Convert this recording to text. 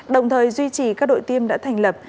đồng thời duy trì các đội tiêm đã thành lập